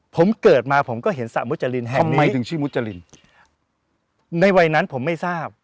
ผมเกิดมาผมก็เห็นสระมุจรินแห่งหมายถึงชื่อมุจรินในวัยนั้นผมไม่ทราบ